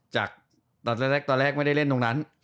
ตอนแรกตอนแรกไม่ได้เล่นตรงนั้น